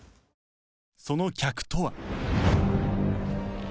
その客とは